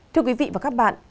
thưa quý vị và các bạn